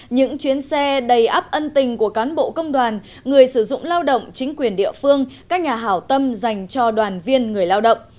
những chuyến xe đầy áp ân tình của cán bộ công đoàn người sử dụng lao động chính quyền địa phương các nhà hảo tâm dành cho đoàn viên người lao động